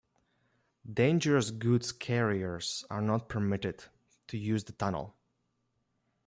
Dangerous goods carriers are not permitted to use the tunnel.